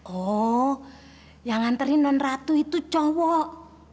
oh yang nganterinan ratu itu cowok